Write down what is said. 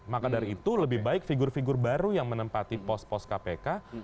maka dari itu lebih baik figur figur baru yang menempati pos pos kpk